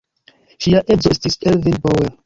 Ŝia edzo estis Ervin Bauer.